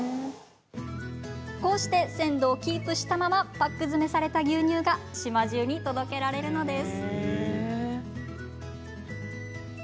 こうして、鮮度をキープしたままパック詰めされた牛乳が島じゅうに届けられるのです。